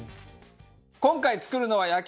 今回作るのは。